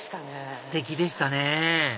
ステキでしたね